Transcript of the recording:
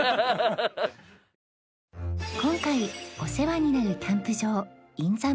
今回お世話になるキャンプ場